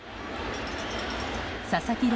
佐々木朗